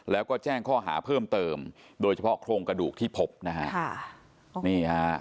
แล้วก็แจ้งข้อหาเพิ่มเติมโดยเฉพาะโครงกระดูกที่พบนะฮะค่ะนี่ฮะ